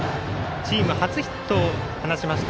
チーム初ヒットを放ちました。